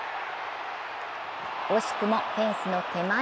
惜しくもフェンスの手前。